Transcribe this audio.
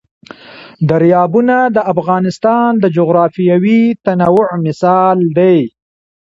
دریابونه د افغانستان د جغرافیوي تنوع مثال دی.